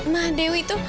ma dewi itu